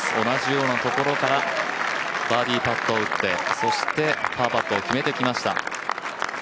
同じようなところからバーディーパットを打ってそしてパーパットを決めてきました。